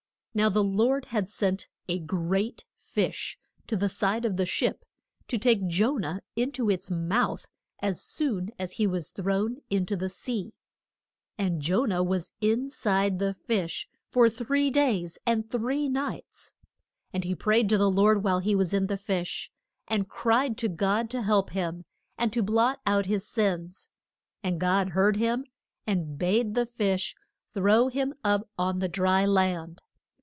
Now the Lord had sent a great fish to the side of the ship to take Jo nah in to its mouth as soon as he was thrown in to the sea. And Jo nah was in side the fish for three days and three nights. And he prayed to the Lord while he was in the fish; and cried to God to help him, and to blot out his sins. And God heard him, and bade the fish throw him up on the dry land.